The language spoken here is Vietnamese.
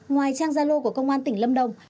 ngoài trang gia lô của công an tỉnh lâm đồng